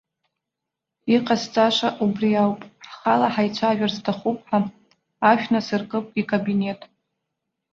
Иҟасҵаша убри ауп, ҳхала ҳаицәажәар сҭахуп ҳәа, ашә насыркып икабинет.